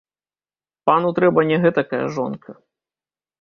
Пану трэба не гэтакая жонка.